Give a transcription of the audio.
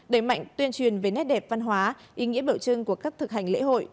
đẩy mạnh tuyên truyền về nét đẹp văn hóa ý nghĩa biểu trưng của các thực hành lễ hội